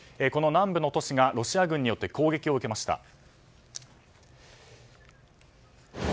この南部の都市がロシア軍によって攻撃を受けました。